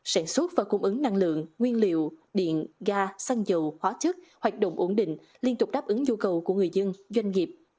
sản xuất và cung ứng năng lượng nguyên liệu điện ga xăng dầu hóa chất hoạt động ổn định liên tục đáp ứng nhu cầu của người dân doanh nghiệp